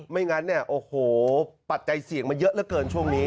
ไม่งั้นโอ้โฮปัดใจเสียงมาเยอะเยอะเกินช่วงนี้